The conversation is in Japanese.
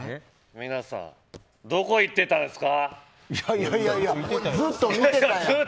皆さん、どこ行ってたんですか。